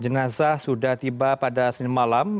jenazah sudah tiba pada senin malam